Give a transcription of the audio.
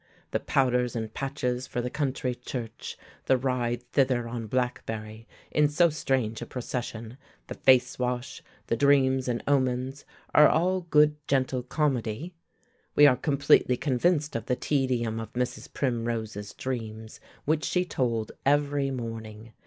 The powders and patches for the country church, the ride thither on Blackberry, in so strange a procession, the face wash, the dreams and omens, are all good gentle comedy; we are completely convinced of the tedium of Mrs. Primrose's dreams, which she told every morning.